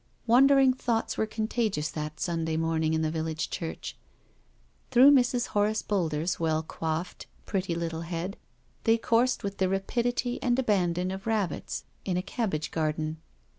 Wandering thoughts were contagious that hot Sun day morning in the village church. Through Mrs. Horace Boulder's well coifed, pretty little head they coursed with the rapidity and abandon of rabbits in a cabbage garden.